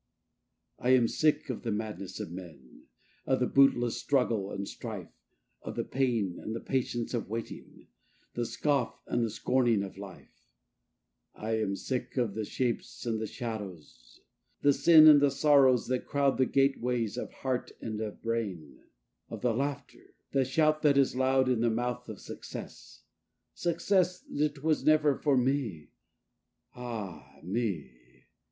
II I am sick of the madness of men; of the bootless struggle and strife: Of the pain and the patience of waiting; the scoff and the scorning of life: I am sick of the shapes and the shadows; the sins and the sorrows that crowd The gateways of heart and of brain; of the laughter, the shout that is loud In the mouth of Success Success, that was never for me, ah me!